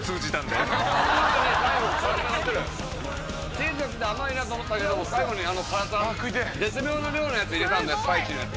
チーズがきて甘いなと思ったけど最後にあの辛さ絶妙な量のやつ入れたんでスパイシーなやつ。